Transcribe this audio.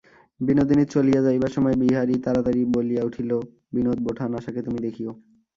বিনোদিনীর চলিয়া যাইবার সময় বিহারী তাড়াতাড়ি বলিয়া লইল, বিনোদ-বোঠান, আশাকে তুমি দেখিয়ো।